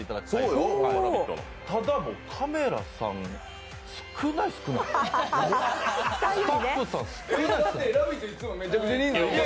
ただカメラさん、少ない、少ない。